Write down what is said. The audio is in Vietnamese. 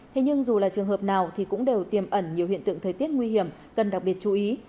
thế nhưng dù là trường hợp nào thì cũng đều tiềm ẩn nhiều hiện tượng thời tiết nguy hiểm cần đặc biệt chú ý